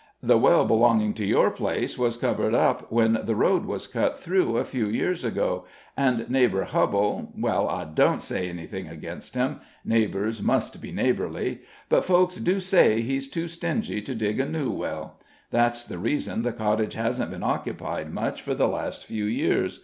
The well belonging to your place was covered up when the road was cut through, a few years ago, and neighbor Hubbell well, I don't say anything against him neighbors must be neighborly, but folks do say he's too stingy to dig a new well. That's the reason the cottage hasn't been occupied much for the last few years.